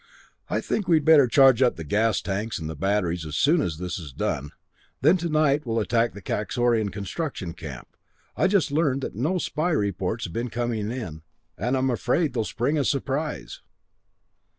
"I think we'd better charge up the gas tanks and the batteries as soon as this is done. Then tonight we'll attack the Kaxorian construction camp. I've just learned that no spy reports have been coming in, and I'm afraid they'll spring a surprise."